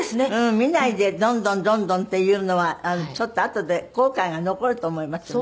見ないでどんどんどんどんっていうのはちょっとあとで後悔が残ると思いますよね。